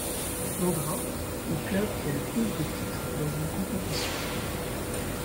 En gras, le club qui a le plus de titres dans une compétition.